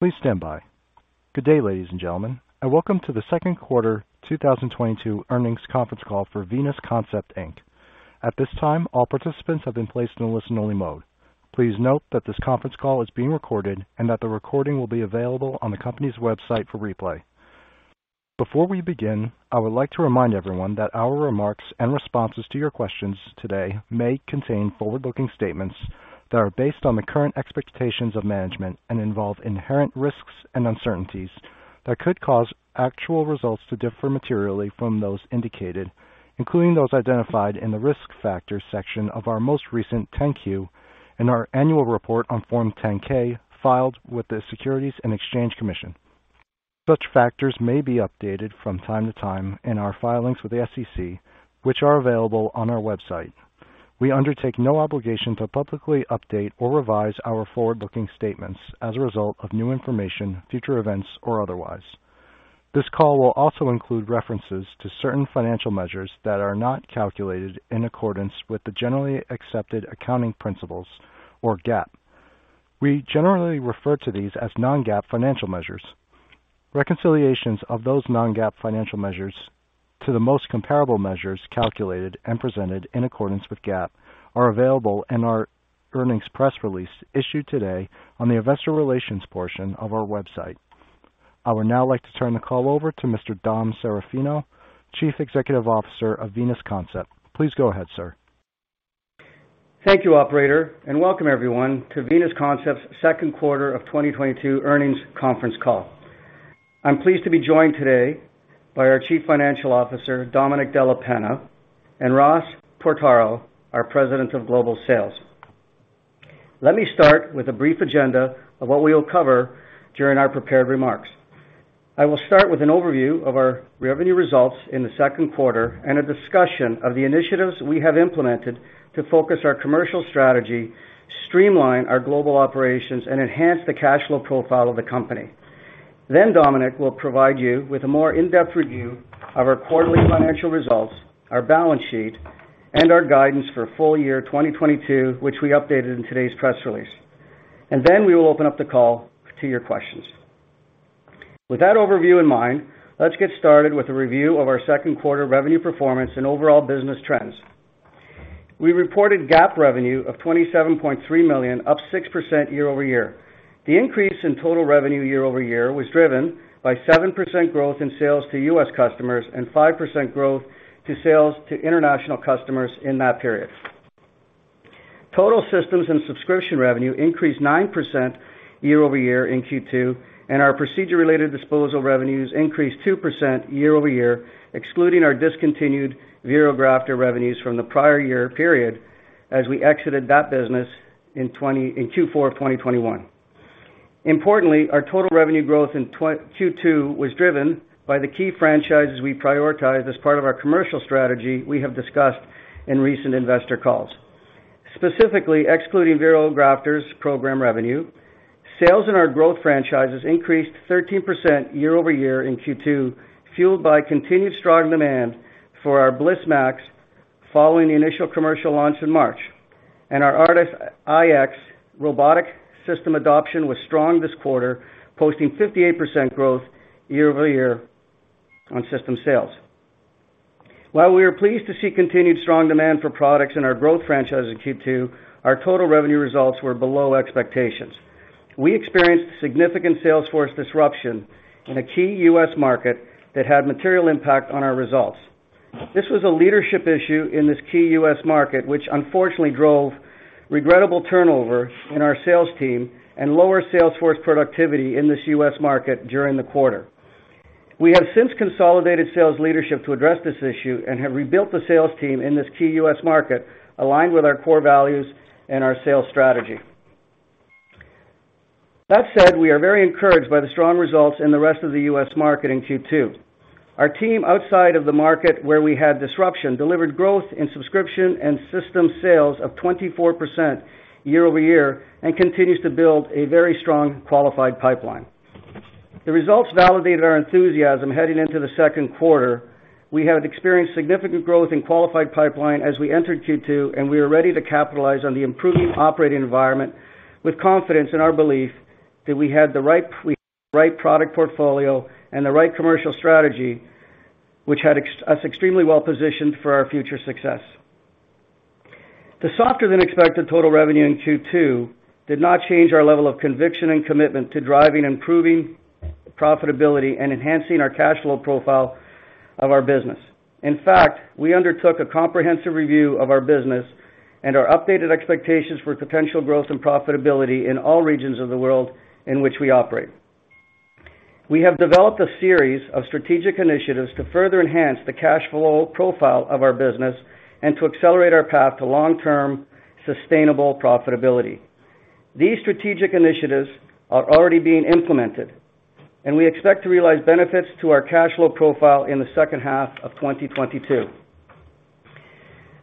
Please stand by. Good day, ladies and gentlemen, and welcome to the second quarter 2022 earnings conference call for Venus Concept Inc. At this time, all participants have been placed in a listen-only mode. Please note that this conference call is being recorded and that the recording will be available on the company's website for replay. Before we begin, I would like to remind everyone that our remarks and responses to your questions today may contain forward-looking statements that are based on the current expectations of management and involve inherent risks and uncertainties that could cause actual results to differ materially from those indicated, including those identified in the Risk Factors section of our most recent 10-Q and our annual report on Form 10-K filed with the Securities and Exchange Commission. Such factors may be updated from time to time in our filings with the SEC, which are available on our website. We undertake no obligation to publicly update or revise our forward-looking statements as a result of new information, future events, or otherwise. This call will also include references to certain financial measures that are not calculated in accordance with the generally accepted accounting principles, or GAAP. We generally refer to these as non-GAAP financial measures. Reconciliations of those non-GAAP financial measures to the most comparable measures calculated and presented in accordance with GAAP are available in our earnings press release issued today on the investor relations portion of our website. I would now like to turn the call over to Mr. Domenic Serafino, Chief Executive Officer of Venus Concept. Please go ahead, sir. Thank you, operator, and welcome everyone to Venus Concept's second quarter of 2022 earnings conference call. I'm pleased to be joined today by our Chief Financial Officer, Domenic Della Penna, and Ross Portaro, our President of Global Sales. Let me start with a brief agenda of what we will cover during our prepared remarks. I will start with an overview of our revenue results in the second quarter and a discussion of the initiatives we have implemented to focus our commercial strategy, streamline our global operations, and enhance the cash flow profile of the company. Then Domenic will provide you with a more in-depth review of our quarterly financial results, our balance sheet, and our guidance for full year 2022, which we updated in today's press release. We will open up the call to your questions. With that overview in mind, let's get started with a review of our second quarter revenue performance and overall business trends. We reported GAAP revenue of $27.3 million, up 6% year-over-year. The increase in total revenue year-over-year was driven by 7% growth in sales to U.S. customers and 5% growth in sales to international customers in that period. Total systems and subscription revenue increased 9% year-over-year in Q2, and our procedure-related disposal revenues increased 2% year-over-year, excluding our discontinued NeoGraft revenues from the prior year period as we exited that business in Q4 of 2021. Importantly, our total revenue growth in Q2 was driven by the key franchises we prioritize as part of our commercial strategy we have discussed in recent investor calls. Specifically excluding NeoGraft's program revenue, sales in our growth franchises increased 13% year-over-year in Q2, fueled by continued strong demand for our Bliss MAX following the initial commercial launch in March. Our ARTAS iX robotic system adoption was strong this quarter, posting 58% growth year-over-year on system sales. While we are pleased to see continued strong demand for products in our growth franchise in Q2, our total revenue results were below expectations. We experienced significant sales force disruption in a key U.S. market that had material impact on our results. This was a leadership issue in this key U.S. market, which unfortunately drove regrettable turnover in our sales team and lower sales force productivity in this U.S. market during the quarter. We have since consolidated sales leadership to address this issue and have rebuilt the sales team in this key U.S. market aligned with our core values and our sales strategy. That said, we are very encouraged by the strong results in the rest of the U.S. market in Q2. Our team outside of the market where we had disruption delivered growth in subscription and system sales of 24% year-over-year and continues to build a very strong qualified pipeline. The results validated our enthusiasm heading into the second quarter. We had experienced significant growth in qualified pipeline as we entered Q2, and we are ready to capitalize on the improving operating environment with confidence in our belief that we had the right product portfolio and the right commercial strategy, which had us extremely well positioned for our future success. The softer than expected total revenue in Q2 did not change our level of conviction and commitment to driving improving profitability and enhancing our cash flow profile of our business. In fact, we undertook a comprehensive review of our business and our updated expectations for potential growth and profitability in all regions of the world in which we operate. We have developed a series of strategic initiatives to further enhance the cash flow profile of our business and to accelerate our path to long-term sustainable profitability. These strategic initiatives are already being implemented, and we expect to realize benefits to our cash flow profile in the second half of 2022.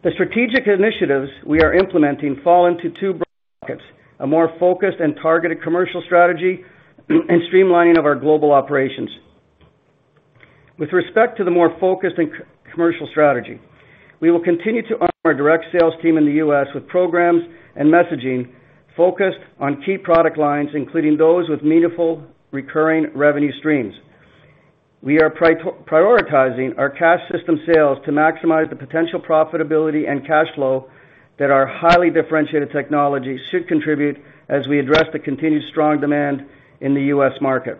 The strategic initiatives we are implementing fall into two brackets, a more focused and targeted commercial strategy and streamlining of our global operations. With respect to the more focused and commercial strategy, we will continue to honor our direct sales team in the U.S. with programs and messaging focused on key product lines, including those with meaningful recurring revenue streams. We are prioritizing our cash system sales to maximize the potential profitability and cash flow that our highly differentiated technology should contribute as we address the continued strong demand in the U.S. market.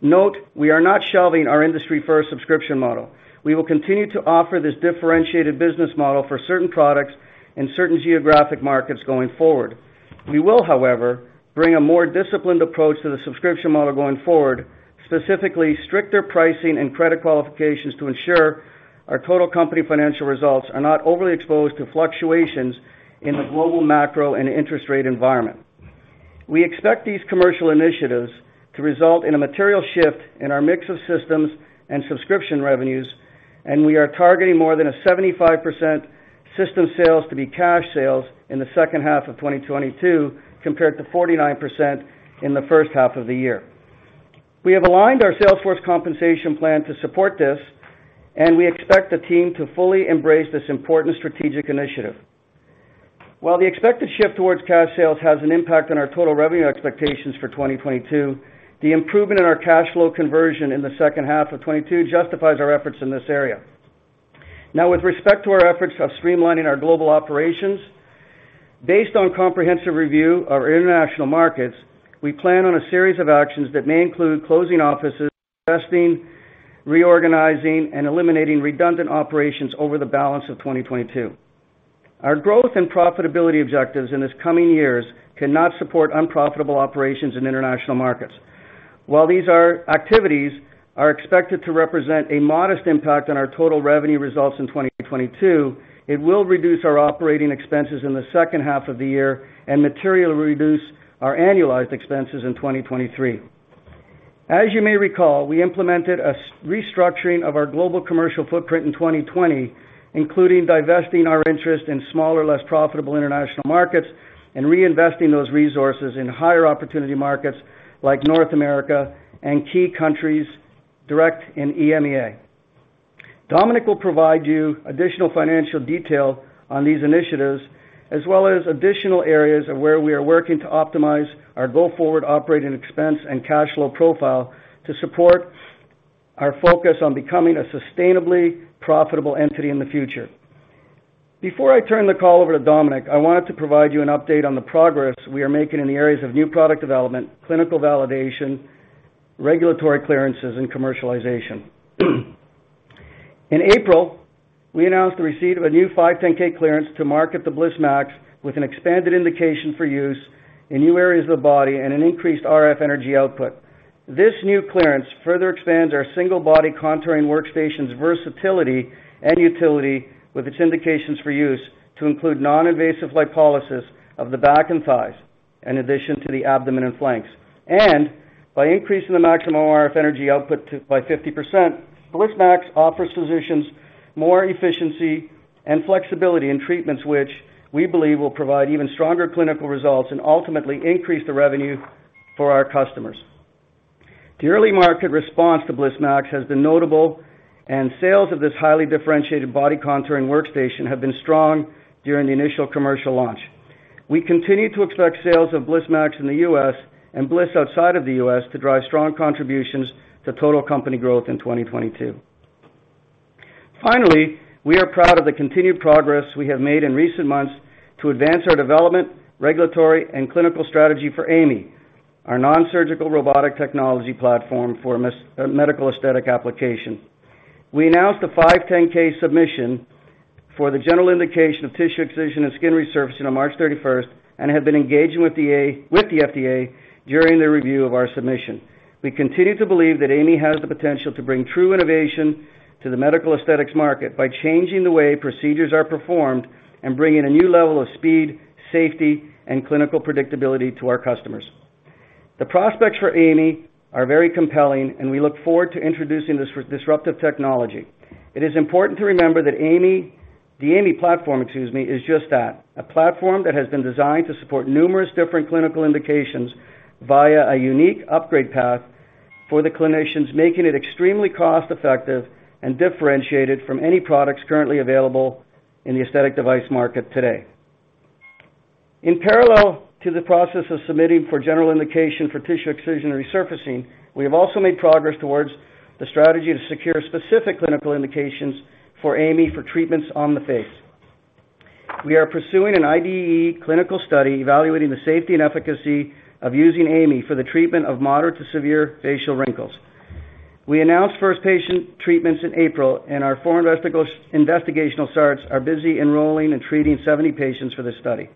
Note we are not shelving our industry-first subscription model. We will continue to offer this differentiated business model for certain products in certain geographic markets going forward. We will, however, bring a more disciplined approach to the subscription model going forward, specifically stricter pricing and credit qualifications to ensure our total company financial results are not overly exposed to fluctuations in the global macro and interest rate environment. We expect these commercial initiatives to result in a material shift in our mix of systems and subscription revenues, and we are targeting more than a 75% system sales to be cash sales in the second half of 2022 compared to 49% in the first half of the year. We have aligned our sales force compensation plan to support this, and we expect the team to fully embrace this important strategic initiative. While the expected shift towards cash sales has an impact on our total revenue expectations for 2022, the improvement in our cash flow conversion in the second half of 2022 justifies our efforts in this area. Now with respect to our efforts of streamlining our global operations, based on comprehensive review of our international markets, we plan on a series of actions that may include closing offices, divesting, reorganizing, and eliminating redundant operations over the balance of 2022. Our growth and profitability objectives in these coming years cannot support unprofitable operations in international markets. While these activities are expected to represent a modest impact on our total revenue results in 2022, it will reduce our operating expenses in the second half of the year and materially reduce our annualized expenses in 2023. As you may recall, we implemented a restructuring of our global commercial footprint in 2020, including divesting our interest in smaller, less profitable international markets and reinvesting those resources in higher opportunity markets like North America and key countries direct in EMEA. Domenic will provide you additional financial detail on these initiatives, as well as additional areas of where we are working to optimize our go-forward operating expense and cash flow profile to support our focus on becoming a sustainably profitable entity in the future. Before I turn the call over to Domenic, I wanted to provide you an update on the progress we are making in the areas of new product development, clinical validation, regulatory clearances, and commercialization. In April, we announced the receipt of a new 510(k) clearance to market the BlissMAX with an expanded indication for use in new areas of the body and an increased RF energy output. This new clearance further expands our single body contouring workstation's versatility and utility with its indications for use to include non-invasive lipolysis of the back and thighs in addition to the abdomen and flanks. By increasing the maximum RF energy output by 50%, Bliss MAX offers physicians more efficiency and flexibility in treatments which we believe will provide even stronger clinical results and ultimately increase the revenue for our customers. The early market response to Bliss MAX has been notable, and sales of this highly differentiated body contouring workstation have been strong during the initial commercial launch. We continue to expect sales of Bliss MAX in the US and Bliss outside of the US to drive strong contributions to total company growth in 2022. Finally, we are proud of the continued progress we have made in recent months to advance our development, regulatory, and clinical strategy for AI.ME, our non-surgical robotic technology platform for medical aesthetic application. We announced a 510(k) submission for the general indication of tissue excision and skin resurfacing on March 31st and have been engaging with the FDA during their review of our submission. We continue to believe that AI.ME has the potential to bring true innovation to the medical aesthetics market by changing the way procedures are performed and bringing a new level of speed, safety, and clinical predictability to our customers. The prospects for AI.ME are very compelling, and we look forward to introducing this disruptive technology. It is important to remember that AI.ME, the AI.ME platform, excuse me, is just that, a platform that has been designed to support numerous different clinical indications via a unique upgrade path for the clinicians, making it extremely cost-effective and differentiated from any products currently available in the aesthetic device market today. In parallel to the process of submitting for general indication for tissue excision resurfacing, we have also made progress towards the strategy to secure specific clinical indications for AI.ME for treatments on the face. We are pursuing an IDE clinical study evaluating the safety and efficacy of using AI.ME for the treatment of moderate to severe facial wrinkles. We announced first patient treatments in April, and our four investigational sites are busy enrolling and treating 70 patients for this study.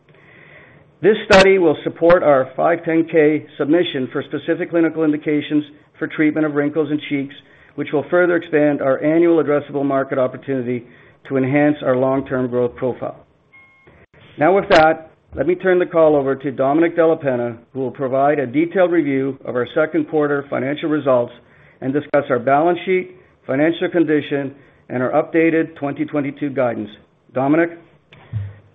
This study will support our 510(k) submission for specific clinical indications for treatment of wrinkles in cheeks, which will further expand our annual addressable market opportunity to enhance our long-term growth profile. Now with that, let me turn the call over to Domenic Della Penna, who will provide a detailed review of our second quarter financial results and discuss our balance sheet, financial condition, and our updated 2022 guidance. Domenic?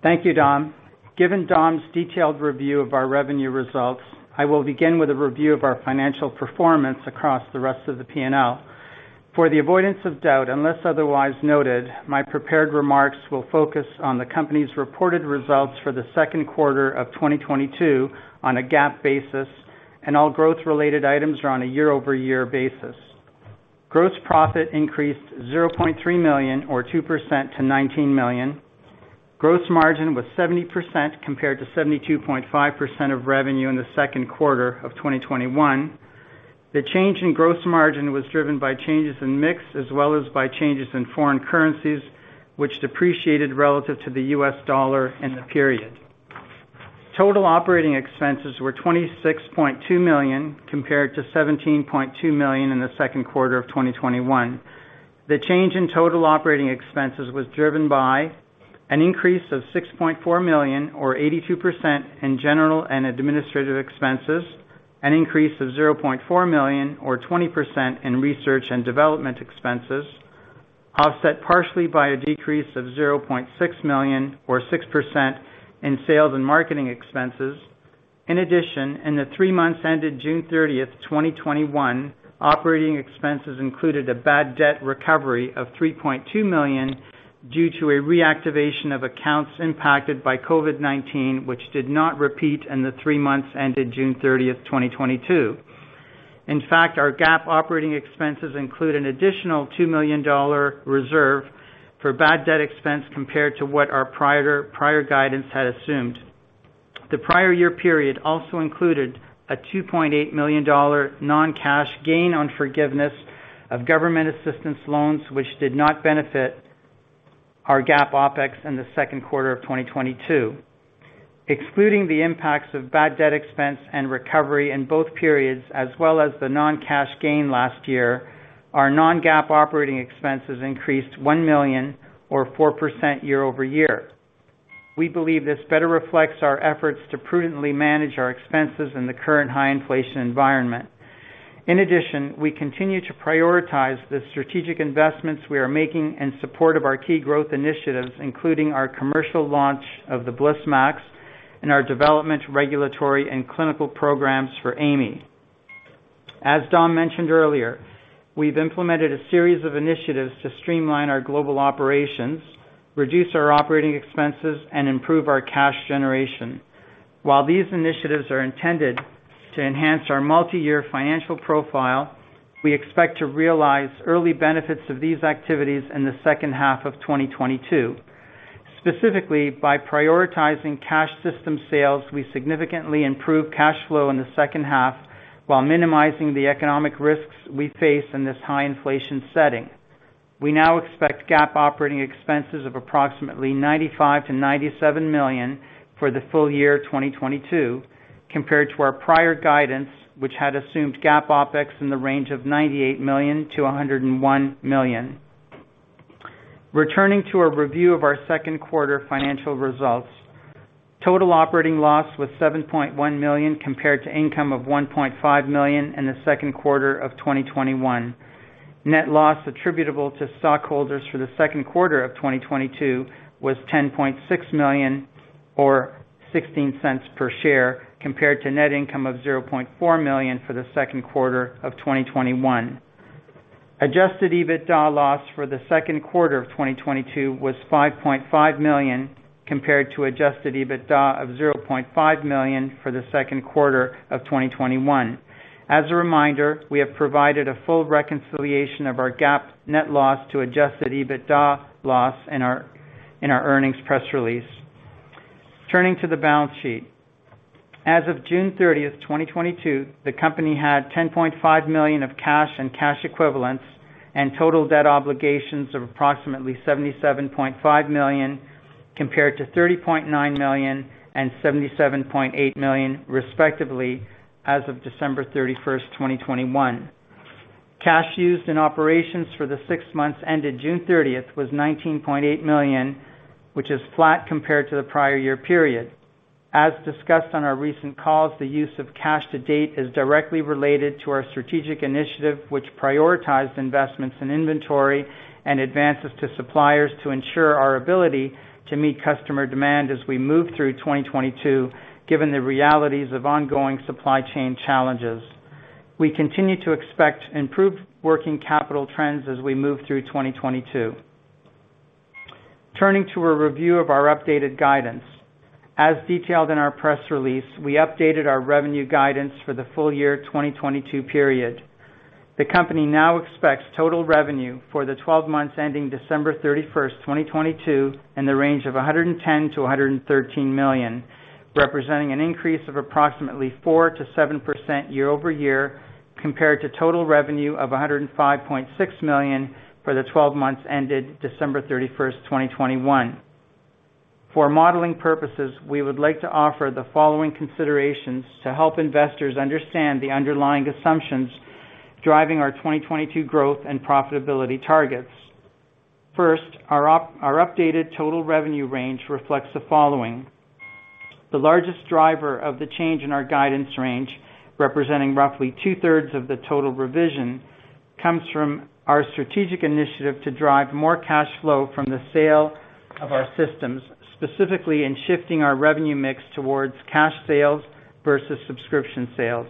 Thank you, Dom. Given Dom's detailed review of our revenue results, I will begin with a review of our financial performance across the rest of the P&L. For the avoidance of doubt, unless otherwise noted, my prepared remarks will focus on the company's reported results for the second quarter of 2022 on a GAAP basis, and all growth-related items are on a year-over-year basis. Gross profit increased $0.3 million or 2% to $19 million. Gross margin was 70% compared to 72.5% of revenue in the second quarter of 2021. The change in gross margin was driven by changes in mix as well as by changes in foreign currencies, which depreciated relative to the US dollar in the period. Total operating expenses were $26.2 million compared to $17.2 million in the second quarter of 2021. The change in total operating expenses was driven by an increase of $6.4 million or 82% in general and administrative expenses, an increase of $0.4 million or 20% in research and development expenses, offset partially by a decrease of $0.6 million or 6% in sales and marketing expenses. In addition, in the three months ended June 30th, 2021, operating expenses included a bad debt recovery of $3.2 million due to a reactivation of accounts impacted by COVID-19, which did not repeat in the three months ended June 30th, 2022. In fact, our GAAP operating expenses include an additional $2 million dollar reserve for bad debt expense compared to what our prior guidance had assumed. The prior year period also included a $2.8 million non-cash gain on forgiveness of government assistance loans which did not benefit our GAAP OpEx in the second quarter of 2022. Excluding the impacts of bad debt expense and recovery in both periods as well as the non-cash gain last year, our non-GAAP operating expenses increased $1 million or 4% year-over-year. We believe this better reflects our efforts to prudently manage our expenses in the current high inflation environment. In addition, we continue to prioritize the strategic investments we are making in support of our key growth initiatives, including our commercial launch of the Venus Bliss MAX and our development, regulatory, and clinical programs for AI.ME. As Dom mentioned earlier, we've implemented a series of initiatives to streamline our global operations, reduce our operating expenses, and improve our cash generation. While these initiatives are intended to enhance our multiyear financial profile, we expect to realize early benefits of these activities in the second half of 2022. Specifically, by prioritizing cash system sales, we significantly improve cash flow in the second half while minimizing the economic risks we face in this high inflation setting. We now expect GAAP operating expenses of approximately $95 million-$97 million for the full year 2022 compared to our prior guidance, which had assumed GAAP OpEx in the range of $98 million-$101 million. Returning to a review of our second quarter financial results, total operating loss was $7.1 million compared to income of $1.5 million in the second quarter of 2021. Net loss attributable to stockholders for the second quarter of 2022 was $10.6 million or $0.16 per share compared to net income of $0.4 million for the second quarter of 2021. Adjusted EBITDA loss for the second quarter of 2022 was $5.5 million compared to adjusted EBITDA of $0.5 million for the second quarter of 2021. As a reminder, we have provided a full reconciliation of our GAAP net loss to adjusted EBITDA loss in our earnings press release. Turning to the balance sheet. As of June 30th, 2022, the company had $10.5 million of cash and cash equivalents, and total debt obligations of approximately $77.5 million compared to $30.9 million and $77.8 million, respectively, as of December 31st, 2021. Cash used in operations for the six months ended June 30th was $19.8 million, which is flat compared to the prior year period. As discussed on our recent calls, the use of cash to date is directly related to our strategic initiative, which prioritized investments in inventory and advances to suppliers to ensure our ability to meet customer demand as we move through 2022, given the realities of ongoing supply chain challenges. We continue to expect improved working capital trends as we move through 2022. Turning to a review of our updated guidance. As detailed in our press release, we updated our revenue guidance for the full year 2022 period. The company now expects total revenue for the twelve months ending December 31st, 2022 in the range of $110 million-$113 million, representing an increase of approximately 4%-7% year-over-year compared to total revenue of $105.6 million for the twelve months ended December 31st, 2021. For modeling purposes, we would like to offer the following considerations to help investors understand the underlying assumptions driving our 2022 growth and profitability targets. First, our updated total revenue range reflects the following. The largest driver of the change in our guidance range, representing roughly two-thirds of the total revision, comes from our strategic initiative to drive more cash flow from the sale of our systems, specifically in shifting our revenue mix towards cash sales versus subscription sales.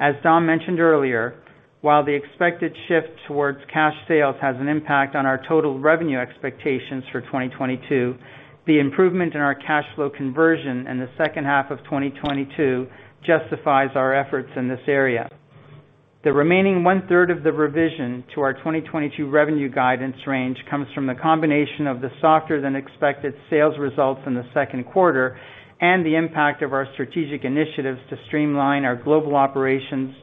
As Dom mentioned earlier, while the expected shift towards cash sales has an impact on our total revenue expectations for 2022, the improvement in our cash flow conversion in the second half of 2022 justifies our efforts in this area. The remaining one-third of the revision to our 2022 revenue guidance range comes from the combination of the softer than expected sales results in the second quarter and the impact of our strategic initiatives to streamline our global operations,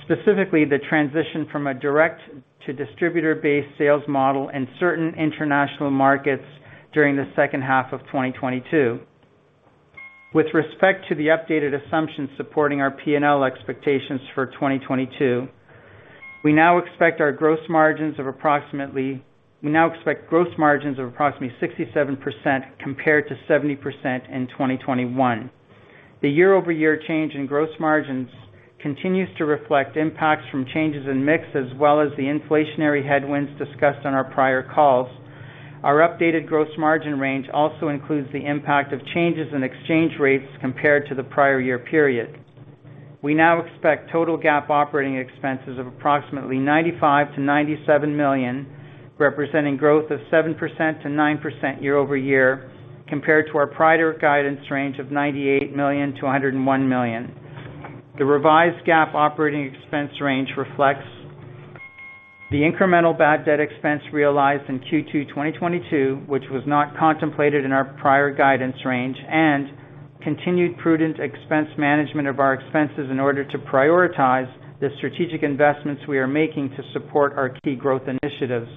specifically the transition from a direct to distributor-based sales model in certain international markets during the second half of 2022. With respect to the updated assumptions supporting our P&L expectations for 2022, we now expect gross margins of approximately 67% compared to 70% in 2021. The year-over-year change in gross margins continues to reflect impacts from changes in mix as well as the inflationary headwinds discussed on our prior calls. Our updated gross margin range also includes the impact of changes in exchange rates compared to the prior year period. We now expect total GAAP operating expenses of approximately $95 million-$97 million, representing growth of 7%-9% year-over-year, compared to our prior guidance range of $98 million-$101 million. The revised GAAP operating expense range reflects the incremental bad debt expense realized in Q2 2022, which was not contemplated in our prior guidance range, and continued prudent expense management of our expenses in order to prioritize the strategic investments we are making to support our key growth initiatives.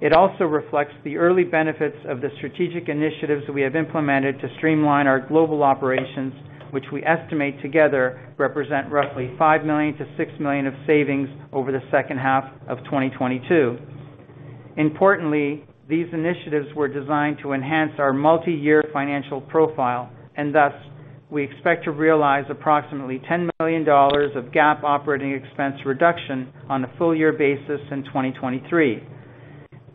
It also reflects the early benefits of the strategic initiatives we have implemented to streamline our global operations, which we estimate together represent roughly $5 million-$6 million of savings over the second half of 2022. Importantly, these initiatives were designed to enhance our multiyear financial profile, and thus, we expect to realize approximately $10 million of GAAP operating expense reduction on a full year basis in 2023.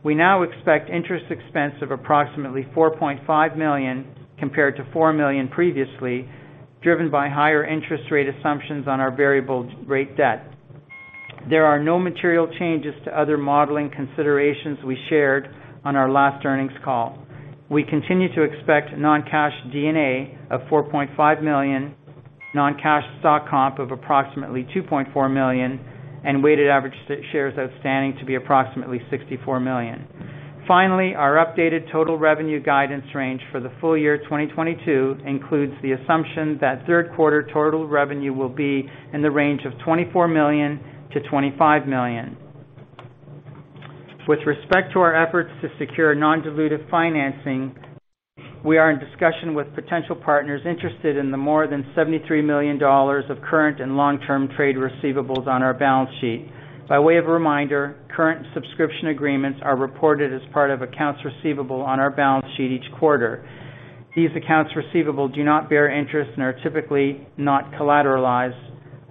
We now expect interest expense of approximately $4.5 million compared to $4 million previously, driven by higher interest rate assumptions on our variable rate debt. There are no material changes to other modeling considerations we shared on our last earnings call. We continue to expect non-cash D&A of $4.5 million, non-cash stock comp of approximately $2.4 million, and weighted average shares outstanding to be approximately 64 million. Finally, our updated total revenue guidance range for the full year 2022 includes the assumption that third quarter total revenue will be in the range of $24 million-$25 million. With respect to our efforts to secure non-dilutive financing, we are in discussion with potential partners interested in the more than $73 million of current and long-term trade receivables on our balance sheet. By way of reminder, current subscription agreements are reported as part of accounts receivable on our balance sheet each quarter. These accounts receivable do not bear interest and are typically not collateralized.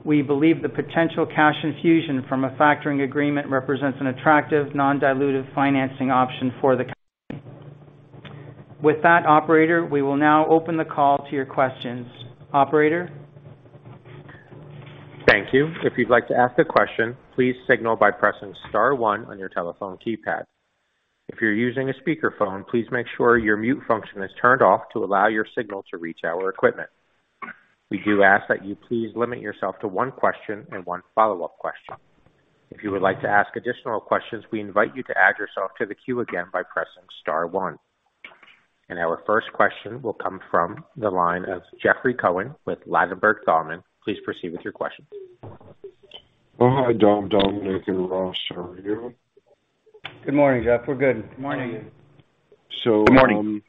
We believe the potential cash infusion from a factoring agreement represents an attractive non-dilutive financing option for the company. With that, operator, we will now open the call to your questions. Operator? Thank you. If you'd like to ask a question, please signal by pressing star one on your telephone keypad. If you're using a speaker phone, please make sure your mute function is turned off to allow your signal to reach our equipment. We do ask that you please limit yourself to one question and one follow-up question. If you would like to ask additional questions, we invite you to add yourself to the queue again by pressing star one. Our first question will come from the line of Jeffrey Cohen with Ladenburg Thalmann. Please proceed with your question. Oh, hi, Dom, Dominic, and Ross. How are you? Good morning, Jeff. We're good. Good morning. So, um- Good morning.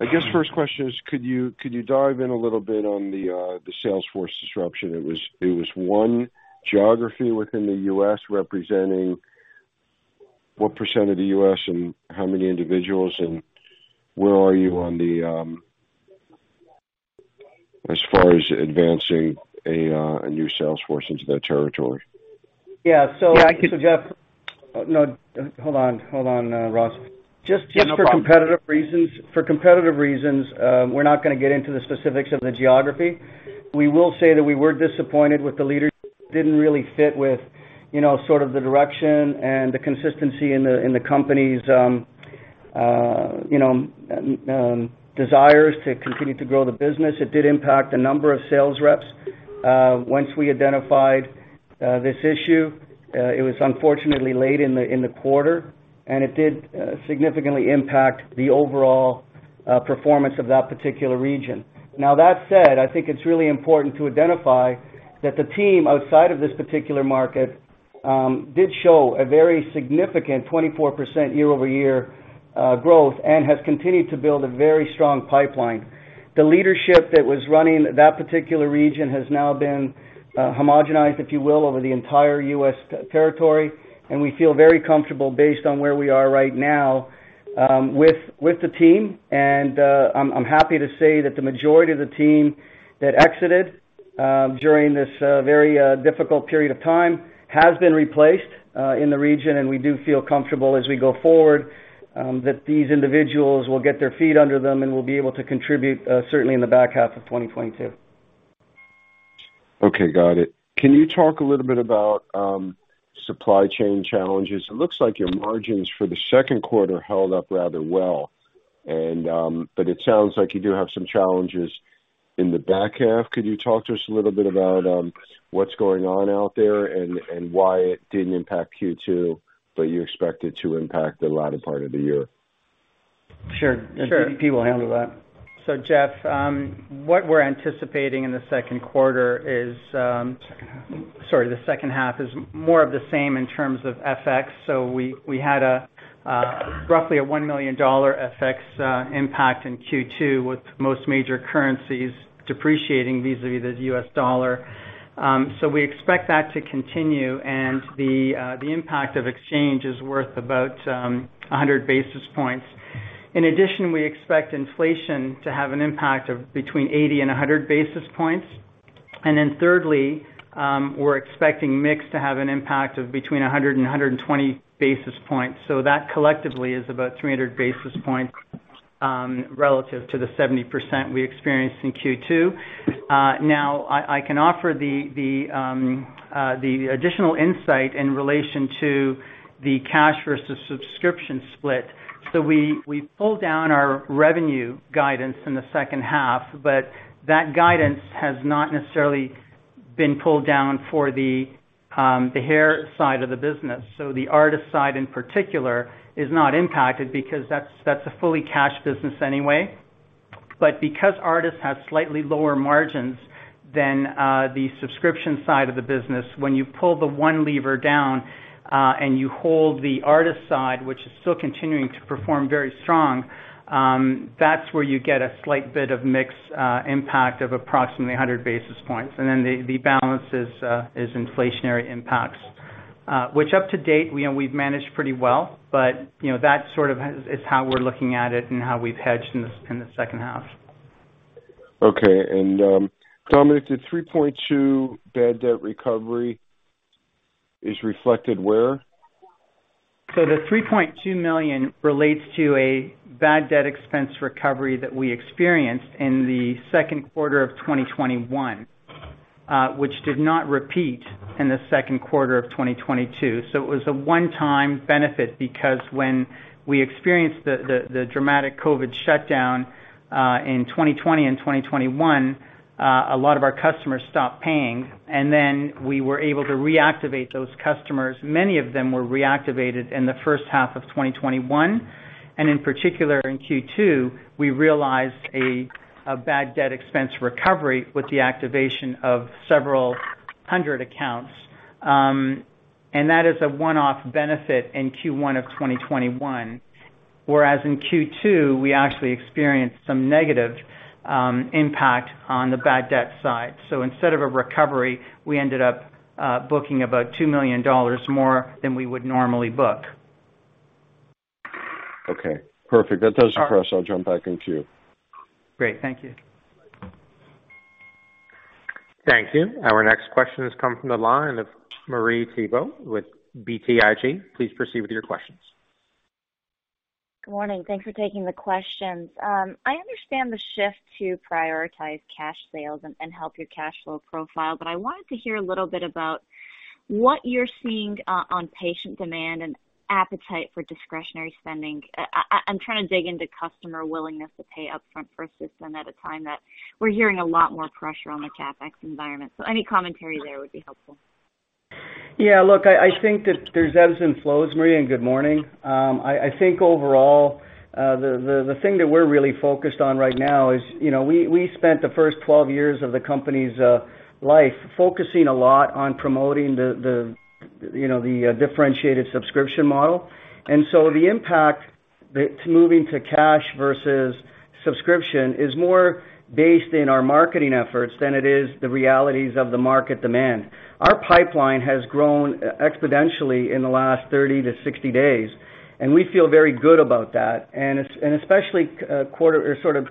I guess first question is, could you dive in a little bit on the sales force disruption? It was one geography within the U.S. representing what percent of the U.S. and how many individuals, and where are you on the, as far as advancing a new sales force into that territory? Yeah. No, hold on, Ross. Just for competitive reasons, we're not gonna get into the specifics of the geography. We will say that we were disappointed with the leaders didn't really fit with, you know, sort of the direction and the consistency in the company's desires to continue to grow the business. It did impact a number of sales reps. Once we identified this issue, it was unfortunately late in the quarter, and it did significantly impact the overall performance of that particular region. Now, that said, I think it's really important to identify that the team outside of this particular market did show a very significant 24% year-over-year growth and has continued to build a very strong pipeline. The leadership that was running that particular region has now been homogenized, if you will, over the entire U.S. territory, and we feel very comfortable based on where we are right now. With the team. I'm happy to say that the majority of the team that exited during this very difficult period of time has been replaced in the region, and we do feel comfortable as we go forward that these individuals will get their feet under them and will be able to contribute certainly in the back half of 2022. Okay. Got it. Can you talk a little bit about supply chain challenges? It looks like your margins for the second quarter held up rather well and but it sounds like you do have some challenges in the back half. Could you talk to us a little bit about what's going on out there and why it didn't impact Q2, but you expect it to impact the latter part of the year? Sure. Sure. DP will handle that. Jeff, what we're anticipating in the second quarter is, Second half. Sorry, the second half is more of the same in terms of FX. We had a roughly $1 million FX impact in Q2 with most major currencies depreciating vis-a-vis the U.S. dollar. We expect that to continue and the impact of exchange is worth about 100 basis points. In addition, we expect inflation to have an impact of between 80 and 100 basis points. Then thirdly, we're expecting mix to have an impact of between 100 and 120 basis points. That collectively is about 300 basis points relative to the 70% we experienced in Q2. Now I can offer the additional insight in relation to the cash versus subscription split. We pulled down our revenue guidance in the second half, but that guidance has not necessarily been pulled down for the hair side of the business. The Artas side in particular is not impacted because that's a fully cash business anyway. Because Artas have slightly lower margins than the subscription side of the business, when you pull the one lever down, and you hold the Artas side, which is still continuing to perform very strong, that's where you get a slight bit of mix impact of approximately 100 basis points. Then the balance is inflationary impacts, which to date we know we've managed pretty well. You know, that sort of is how we're looking at it and how we've hedged in the second half. Okay. Domenic, the $3.2 million bad debt recovery is reflected where? The $3.2 million relates to a bad debt expense recovery that we experienced in the second quarter of 2021, which did not repeat in the second quarter of 2022. It was a one-time benefit because when we experienced the dramatic COVID shutdown in 2020 and 2021, a lot of our customers stopped paying, and then we were able to reactivate those customers. Many of them were reactivated in the first half of 2021, and in particular in Q2, we realized a bad debt expense recovery with the activation of several hundred accounts. That is a one-off benefit in Q1 of 2021, whereas in Q2, we actually experienced some negative impact on the bad debt side. Instead of a recovery, we ended up booking about $2 million more than we would normally book. Okay. Perfect. That does it for us. I'll jump back to you. Great. Thank you. Thank you. Our next question has come from the line of Marie Thibault with BTIG. Please proceed with your questions. Good morning. Thanks for taking the questions. I understand the shift to prioritize cash sales and help your cash flow profile, but I wanted to hear a little bit about what you're seeing on patient demand and appetite for discretionary spending. I'm trying to dig into customer willingness to pay upfront for a system at a time that we're hearing a lot more pressure on the CapEx environment. Any commentary there would be helpful. Yeah, look, I think that there's ebbs and flows, Marie, and good morning. I think overall, the thing that we're really focused on right now is, you know, we spent the first 12 years of the company's life focusing a lot on promoting the, you know, the differentiated subscription model. The impact that moving to cash versus subscription is more based in our marketing efforts than it is the realities of the market demand. Our pipeline has grown exponentially in the last 30 to 60 days, and we feel very good about that. And especially, or sort of,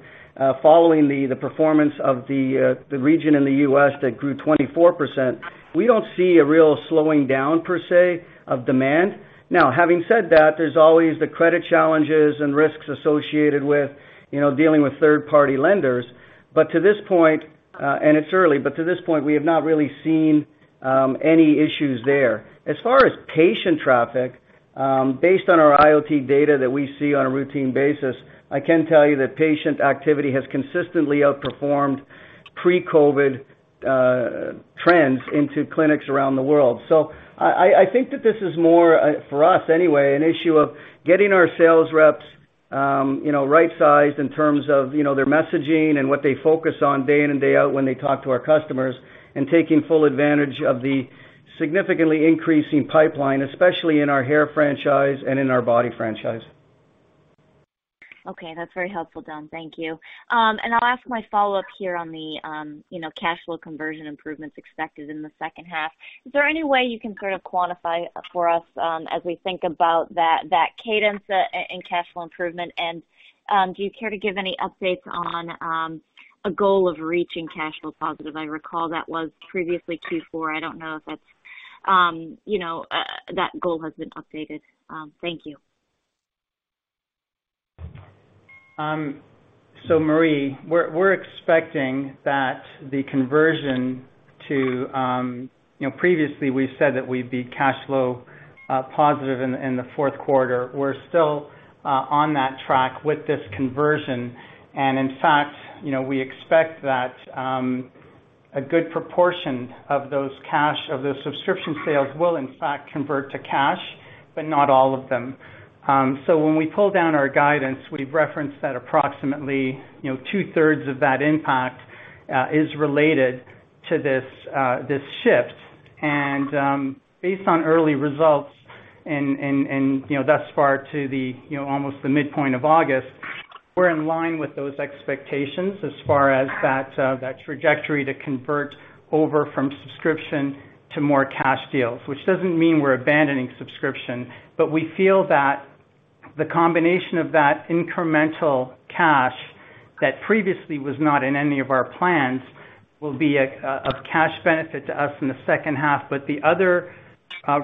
following the performance of the region in the U.S. that grew 24%, we don't see a real slowing down per se, of demand. Now, having said that, there's always the credit challenges and risks associated with, you know, dealing with third-party lenders. To this point, and it's early, we have not really seen any issues there. As far as patient traffic, based on our IoT data that we see on a routine basis, I can tell you that patient activity has consistently outperformed pre-COVID trends into clinics around the world. I think that this is more, for us anyway, an issue of getting our sales reps, you know, right-sized in terms of, you know, their messaging and what they focus on day in and day out when they talk to our customers, and taking full advantage of the significantly increasing pipeline, especially in our hair franchise and in our body franchise. Okay, that's very helpful, Domenic. Thank you. I'll ask my follow-up here on the, you know, cash flow conversion improvements expected in the second half. Is there any way you can sort of quantify for us, as we think about that cadence, in cash flow improvement? Do you care to give any updates on a goal of reaching cash flow positive? I recall that was previously Q4. I don't know if that's, you know, that goal has been updated. Thank you. Marie, we're expecting that the conversion to, you know, previously we said that we'd be cash flow positive in the fourth quarter. We're still on that track with this conversion. In fact, you know, we expect that a good proportion of those subscription sales will in fact convert to cash, but not all of them. When we pull down our guidance, we've referenced that approximately, you know, two-thirds of that impact is related to this shift. Based on early results and, you know, thus far almost to the midpoint of August, we're in line with those expectations as far as that trajectory to convert over from subscription to more cash deals, which doesn't mean we're abandoning subscription. We feel that the combination of that incremental cash that previously was not in any of our plans will be a cash benefit to us in the second half. The other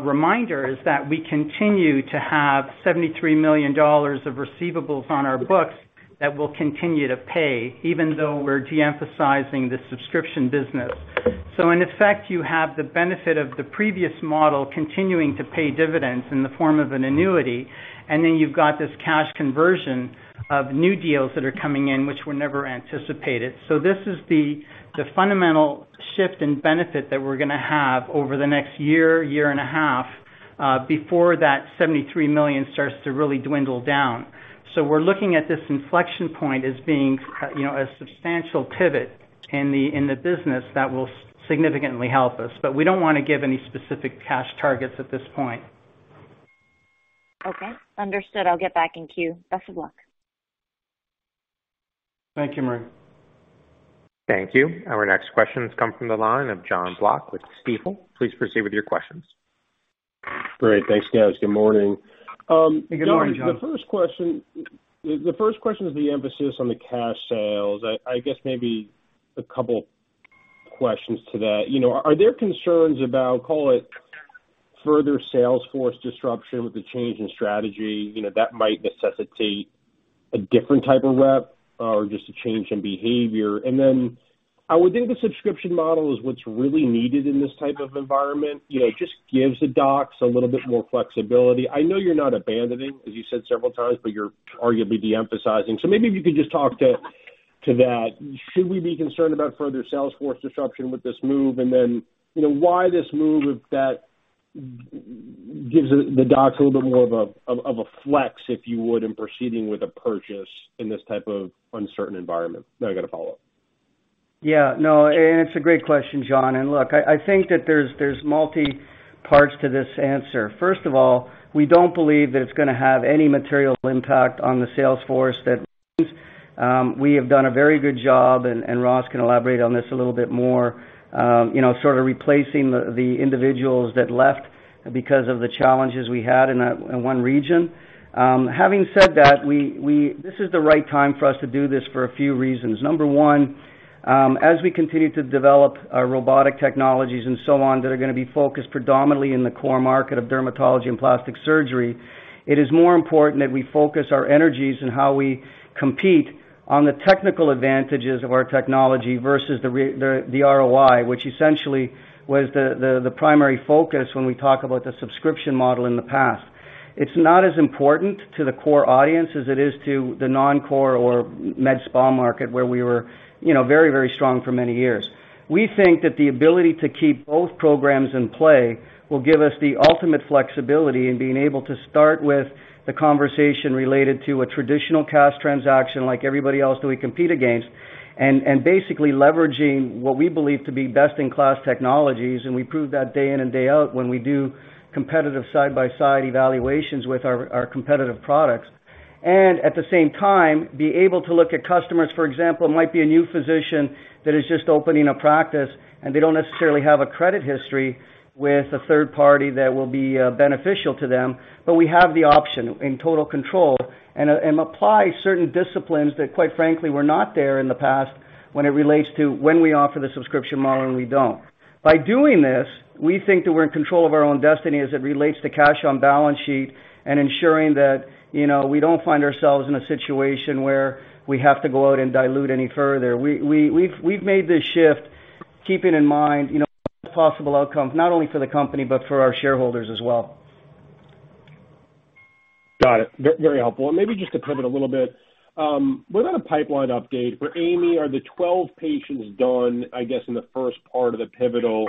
reminder is that we continue to have $73 million of receivables on our books that will continue to pay, even though we're de-emphasizing the subscription business. In effect, you have the benefit of the previous model continuing to pay dividends in the form of an annuity, and then you've got this cash conversion of new deals that are coming in which were never anticipated. This is the fundamental shift in benefit that we're gonna have over the next year and a half, before that $73 million starts to really dwindle down. We're looking at this inflection point as being, you know, a substantial pivot in the business that will significantly help us. We don't wanna give any specific cash targets at this point. Okay. Understood. I'll get back in queue. Best of luck. Thank you, Marie. Thank you. Our next question has come from the line of Jonathan Block with Stifel. Please proceed with your questions. Great. Thanks, guys. Good morning. Good morning, Jonathan. Domenic, the first question is the emphasis on the cash sales. I guess maybe a couple questions to that. You know, are there concerns about, call it, further sales force disruption with the change in strategy, you know, that might necessitate a different type of rep or just a change in behavior? I would think the subscription model is what's really needed in this type of environment. You know, it just gives the docs a little bit more flexibility. I know you're not abandoning, as you said several times, but you're arguably de-emphasizing. Maybe if you could just talk to that. Should we be concerned about further sales force disruption with this move? Why this move, if that gives the docs a little bit more of a flex, if you would, in proceeding with a purchase in this type of uncertain environment? Now I got a follow-up. Yeah, no, it's a great question, John. Look, I think that there's multiple parts to this answer. First of all, we don't believe that it's gonna have any material impact on the sales force that leaves. We have done a very good job, and Ross can elaborate on this a little bit more, you know, sort of replacing the individuals that left because of the challenges we had in one region. Having said that, this is the right time for us to do this for a few reasons. Number one, as we continue to develop our robotic technologies and so on, that are gonna be focused predominantly in the core market of dermatology and plastic surgery, it is more important that we focus our energies on how we compete on the technical advantages of our technology versus the ROI, which essentially was the primary focus when we talk about the subscription model in the past. It's not as important to the core audience as it is to the non-core or med spa market, where we were, you know, very, very strong for many years. We think that the ability to keep both programs in play will give us the ultimate flexibility in being able to start with the conversation related to a traditional cash transaction like everybody else that we compete against, and basically leveraging what we believe to be best-in-class technologies, and we prove that day in and day out when we do competitive side-by-side evaluations with our competitive products. At the same time, be able to look at customers, for example, it might be a new physician that is just opening a practice, and they don't necessarily have a credit history with a third party that will be beneficial to them, but we have the option and total control and apply certain disciplines that quite frankly were not there in the past when it relates to when we offer the subscription model and we don't. By doing this, we think that we're in control of our own destiny as it relates to cash on balance sheet and ensuring that, you know, we don't find ourselves in a situation where we have to go out and dilute any further. We've made this shift keeping in mind, you know, the possible outcomes, not only for the company but for our shareholders as well. Got it. Very helpful. Maybe just to pivot a little bit, without a pipeline update, for AI.ME, are the 12 patients done, I guess, in the first part of the pivotal,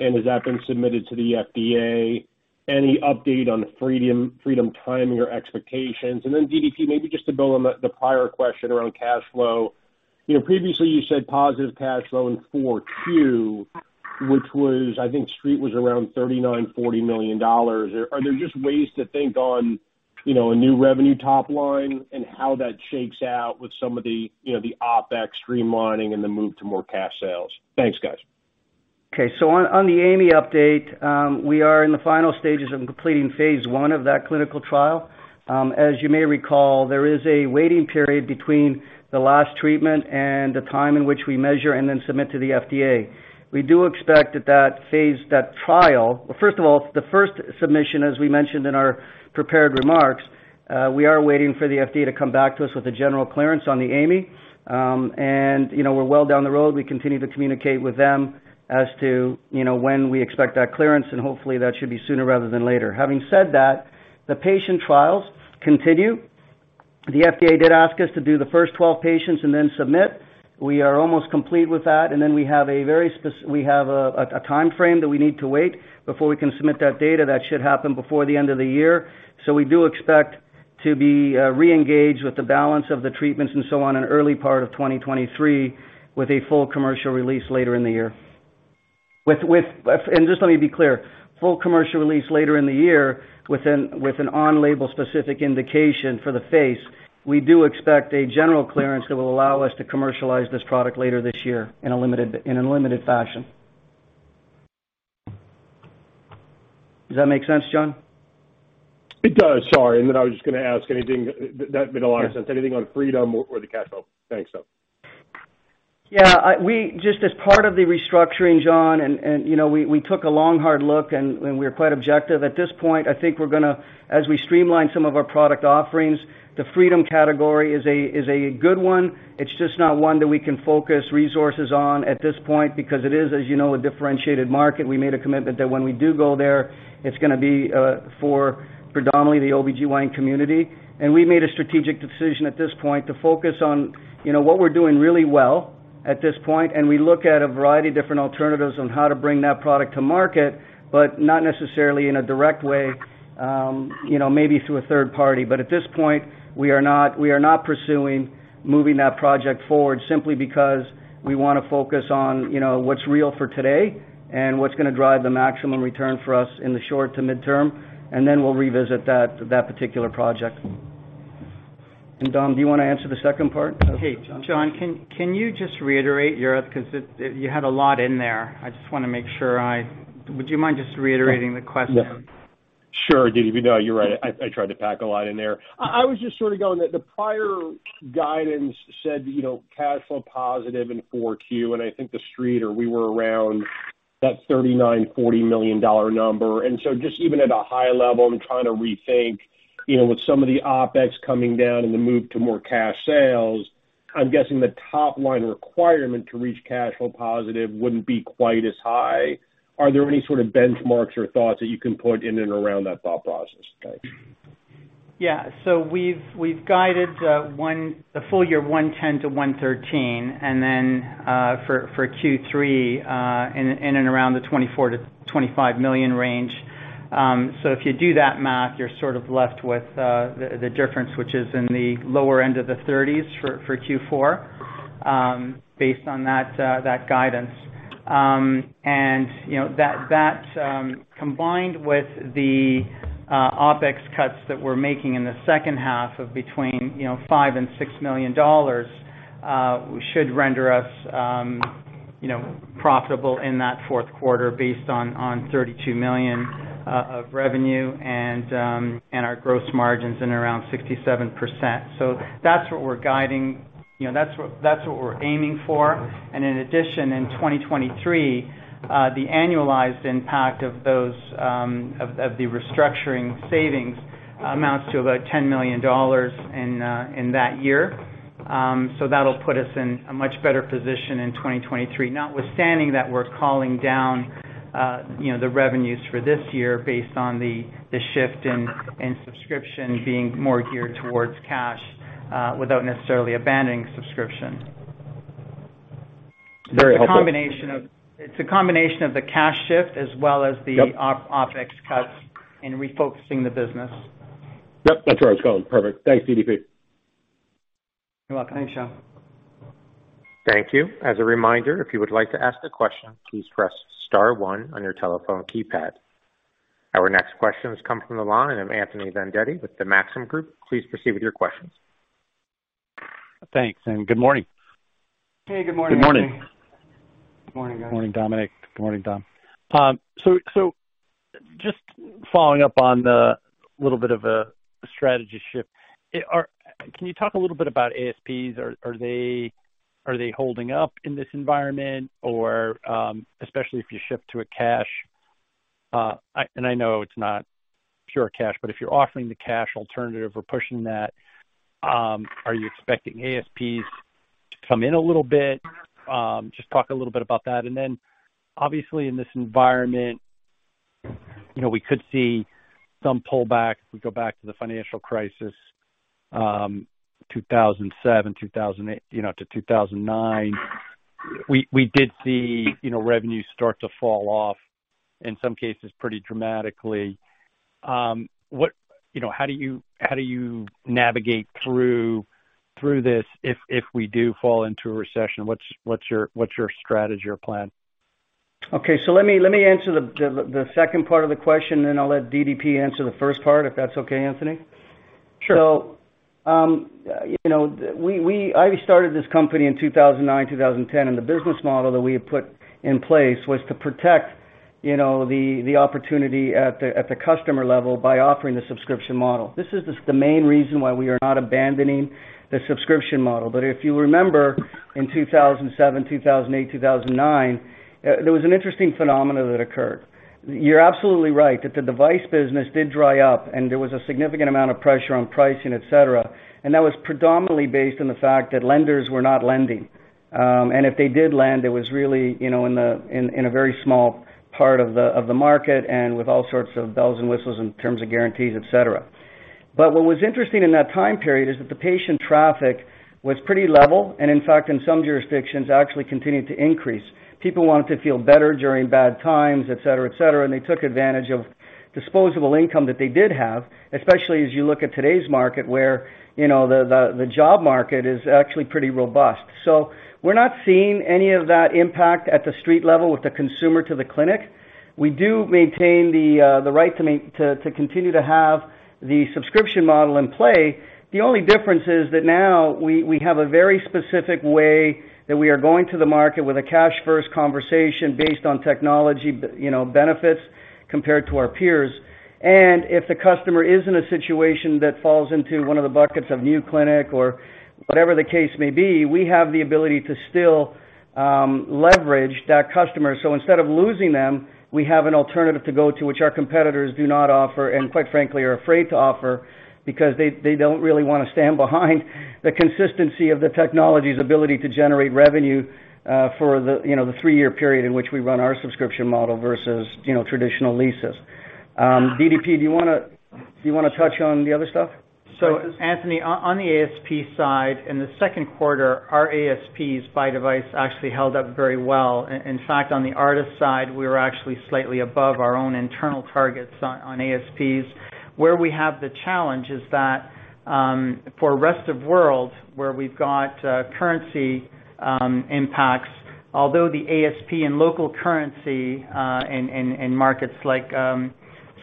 and has that been submitted to the FDA? Any update on the Freedom timing or expectations? Then DDP, maybe just to build on the prior question around cash flow. You know, previously you said positive cash flow in 4Q 2022, which was, I think Street was around $39-$40 million. Are there just ways to think on, you know, a new revenue top line and how that shakes out with some of the, you know, the OpEx streamlining and the move to more cash sales? Thanks, guys. Okay. On the AI.ME update, we are in the final stages of completing phase one of that clinical trial. As you may recall, there is a waiting period between the last treatment and the time in which we measure and then submit to the FDA. We do expect that phase, that trial. Well, first of all, the first submission, as we mentioned in our prepared remarks, we are waiting for the FDA to come back to us with a general clearance on the AI.ME. You know, we're well down the road. We continue to communicate with them as to, you know, when we expect that clearance, and hopefully that should be sooner rather than later. Having said that, the patient trials continue. The FDA did ask us to do the first 12 patients and then submit. We are almost complete with that, and then we have a timeframe that we need to wait before we can submit that data. That should happen before the end of the year. We do expect to be re-engaged with the balance of the treatments and so on in early part of 2023 with a full commercial release later in the year. Just let me be clear. Full commercial release later in the year with an on-label specific indication for the face. We do expect a general clearance that will allow us to commercialize this product later this year in a limited fashion. Does that make sense, Jonathan? It does. Sorry. I was just gonna ask anything that made a lot of sense. Anything on Freedom or the cash flow? Thanks though. Yeah. We just, as part of the restructuring, Jonathan, and you know, we took a long, hard look and we're quite objective. At this point, I think we're gonna, as we streamline some of our product offerings, the Freedom category is a good one. It's just not one that we can focus resources on at this point because it is, as you know, a differentiated market. We made a commitment that when we do go there, it's gonna be for predominantly the OBGYN community. We made a strategic decision at this point to focus on, you know, what we're doing really well at this point. We look at a variety of different alternatives on how to bring that product to market, but not necessarily in a direct way, you know, maybe through a third party. At this point, we are not pursuing moving that project forward simply because we wanna focus on, you know, what's real for today and what's gonna drive the maximum return for us in the short to midterm, and then we'll revisit that particular project. Dom, do you wanna answer the second part of Jonathan? Hey, Jonathan, can you just reiterate yours? 'Cause it you had a lot in there. Would you mind just reiterating the question? Sure, DDP. No, you're right. I tried to pack a lot in there. I was just sort of going that the prior guidance said, you know, cash flow positive in 4Q, and I think the street or we were around that $39-$40 million number. Just even at a high level, I'm trying to rethink, you know, with some of the OpEx coming down and the move to more cash sales, I'm guessing the top line requirement to reach cash flow positive wouldn't be quite as high. Are there any sort of benchmarks or thoughts that you can point in and around that thought process? Thanks. Yeah. We've guided the full year, $110 million-$113 million, and then for Q3 in and around the $24 million-$25 million range. If you do that math, you're sort of left with the difference, which is in the lower end of the 30s for Q4 based on that guidance. You know that combined with the OpEx cuts that we're making in the second half of between $5 million and $6 million should render us you know profitable in that fourth quarter based on $32 million of revenue and our gross margins in around 67%. That's what we're guiding. You know, that's what we're aiming for. In addition, in 2023, the annualized impact of those of the restructuring savings amounts to about $10 million in that year. That'll put us in a much better position in 2023, notwithstanding that we're calling down the revenues for this year based on the shift in subscription being more geared towards cash without necessarily abandoning subscription. Very helpful. It's a combination of the cash shift as well as the- Yep. OpEx cuts and refocusing the business. Yep, that's where I was going. Perfect. Thanks, DDP. You're welcome. Thanks, Jonathan. Thank you. As a reminder, if you would like to ask a question, please press star one on your telephone keypad. Our next question comes from the line of Anthony Vendetti with the Maxim Group. Please proceed with your questions. Thanks, and good morning. Hey, good morning. Good morning. Good morning, guys. Good morning, Domenic. Good morning, Dom. So just following up on the little bit of a strategy shift. Can you talk a little bit about ASPs? Are they holding up in this environment or, especially if you shift to a cash and I know it's not pure cash, but if you're offering the cash alternative or pushing that, are you expecting ASPs to come in a little bit? Just talk a little bit about that. Then obviously in this environment, you know, we could see some pullback. We go back to the financial crisis, 2007, 2008, you know, to 2009. We did see, you know, revenue start to fall off, in some cases, pretty dramatically. You know, how do you navigate through this if we do fall into a recession? What's your strategy or plan? Okay, let me answer the second part of the question, and then I'll let DDP answer the first part, if that's okay, Anthony. Sure. I started this company in 2009, 2010, and the business model that we had put in place was to protect the opportunity at the customer level by offering the subscription model. This is the main reason why we are not abandoning the subscription model. If you remember, in 2007, 2008, 2009, there was an interesting phenomenon that occurred. You're absolutely right, that the device business did dry up, and there was a significant amount of pressure on pricing, et cetera. That was predominantly based on the fact that lenders were not lending. If they did lend, it was really, you know, in a very small part of the market and with all sorts of bells and whistles in terms of guarantees, et cetera. What was interesting in that time period is that the patient traffic was pretty level, and in fact, in some jurisdictions, actually continued to increase. People wanted to feel better during bad times, et cetera, et cetera, and they took advantage of disposable income that they did have, especially as you look at today's market, where, you know, the job market is actually pretty robust. We're not seeing any of that impact at the street level with the consumer to the clinic. We do maintain the right to continue to have the subscription model in play. The only difference is that now we have a very specific way that we are going to the market with a cash first conversation based on technology you know, benefits compared to our peers. If the customer is in a situation that falls into one of the buckets of new clinic or whatever the case may be, we have the ability to still leverage that customer. Instead of losing them, we have an alternative to go to which our competitors do not offer, and quite frankly, are afraid to offer because they don't really wanna stand behind the consistency of the technology's ability to generate revenue for the you know, the three-year period in which we run our subscription model versus you know, traditional leases. DDP, do you wanna touch on the other stuff? Anthony, on the ASP side, in the second quarter, our ASPs by device actually held up very well. In fact, on the Artas side, we were actually slightly above our own internal targets on ASPs. Where we have the challenge is that, for rest of world, where we've got currency impacts, although the ASP in local currency in markets like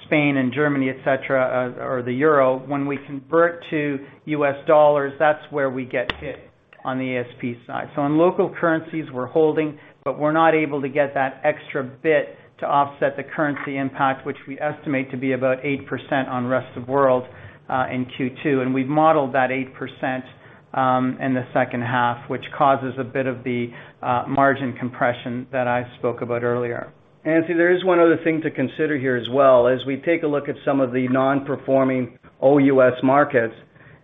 Spain and Germany et cetera, or the Euro, when we convert to US dollars, that's where we get hit on the ASP side. On local currencies, we're holding, but we're not able to get that extra bit to offset the currency impact which we estimate to be about 8% on rest of world in Q2. We've modeled that 8% in the second half, which causes a bit of the margin compression that I spoke about earlier. Anthony, there is one other thing to consider here as well. As we take a look at some of the non-performing OUS markets,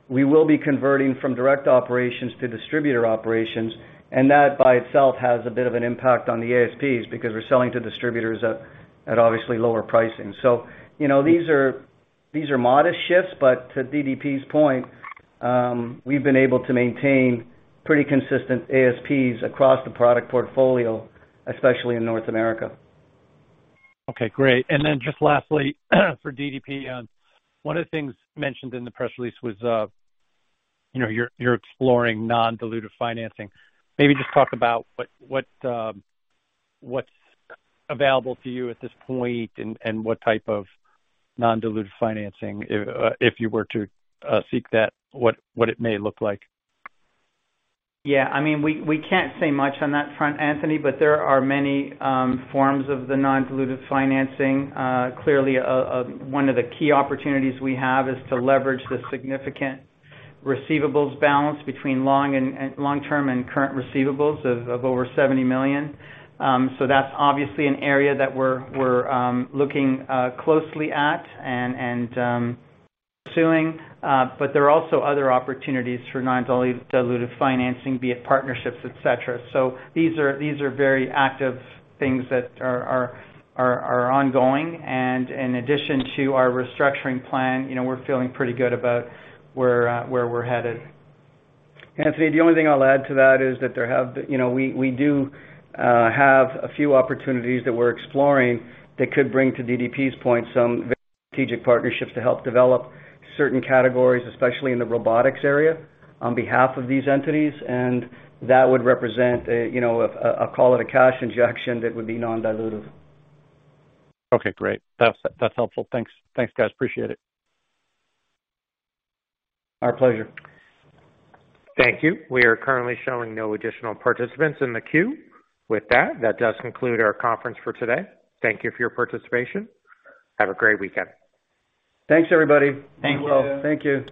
we will be converting from direct operations to distributor operations, and that by itself has a bit of an impact on the ASPs because we're selling to distributors at obviously lower pricing. You know, these are modest shifts, but to DDP's point, we've been able to maintain pretty consistent ASPs across the product portfolio, especially in North America. Okay, great. Just lastly for DDP, one of the things mentioned in the press release was, you know, you're exploring non-dilutive financing. Maybe just talk about what's available to you at this point and what type of non-dilutive financing if you were to seek that, what it may look like. Yeah, I mean, we can't say much on that front, Anthony, but there are many forms of the non-dilutive financing. Clearly, one of the key opportunities we have is to leverage the significant receivables balance between long-term and current receivables of over $70 million. That's obviously an area that we're looking closely at and pursuing. But there are also other opportunities for non-dilutive financing, be it partnerships, et cetera. These are very active things that are ongoing. In addition to our restructuring plan, you know, we're feeling pretty good about where we're headed. Anthony, the only thing I'll add to that is you know, we do have a few opportunities that we're exploring that could bring, to DDP's point, some very strategic partnerships to help develop certain categories, especially in the robotics area, on behalf of these entities. That would represent you know, call it a cash injection that would be non-dilutive. Okay, great. That's helpful. Thanks. Thanks, guys. Appreciate it. Our pleasure. Thank you. We are currently showing no additional participants in the queue. With that does conclude our conference for today. Thank you for your participation. Have a great weekend. Thanks, everybody. Thank you. Thank you.